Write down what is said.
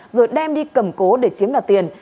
rồi đem đi cầm cố để chiếm đặt tiền